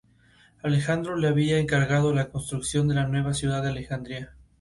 Alejandro le había encargado la construcción de la nueva ciudad de de Alejandría.